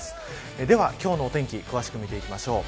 今日のお天気詳しく見ていきましょう。